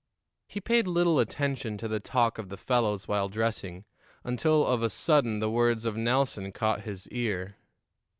He paid little attention to the talk of the fellows while dressing, until of a sudden the words of Nelson caught his ear.